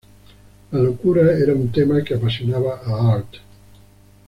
La locura era un tema que apasionaba a Arlt.